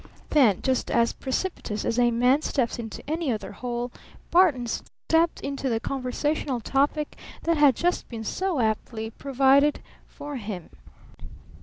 Then just as precipitous as a man steps into any other hole, Barton stepped into the conversational topic that had just been so aptly provided for him.